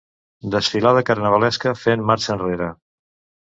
Desfilada carnavalesca fent marxa enrere.